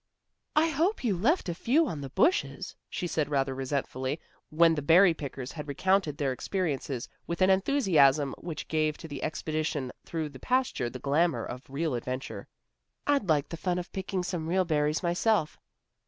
"I hope you left a few on the bushes," she said rather resentfully, when the berry pickers had recounted their experiences with an enthusiasm which gave to the expedition through the pasture the glamor of real adventure, "I'd like the fun of picking some real berries myself."